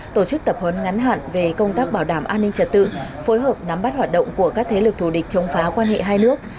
tổ chức tập huấn ngắn hạn về công tác bảo đảm an ninh trật tự phối hợp nắm bắt hoạt động của các thế lực thù địch chống phá quan hệ hai nước